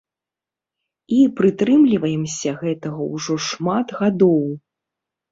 І прытрымліваемся гэтага ўжо шмат гадоў.